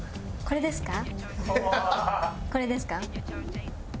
これですか？